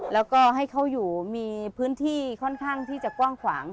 แล้วก็ให้เขาอยู่มีพื้นที่ค่อนข้างที่จะกว้างขวาง